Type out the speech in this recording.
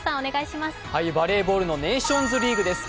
バレーボールのネーションズリーグです。